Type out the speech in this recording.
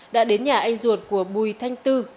đã đến nhà anh ruột của bùi thanh tư